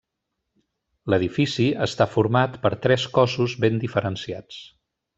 L'edifici està format per tres cossos ben diferenciats.